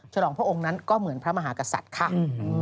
ฉลองพระองค์นั้นก็เหมือนพระมหากษัตริย์ค่ะ